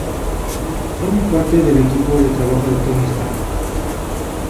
Forma parte del equipo de trabajo de Tony Stark.